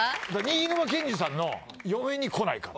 新沼謙治さんの『嫁に来ないか』